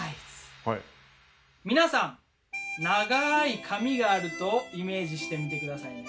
皆さん長い髪があるとイメージしてみて下さいね。